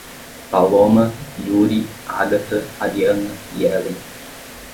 Paloma, Yuri, Ágata, Ariana e Hellen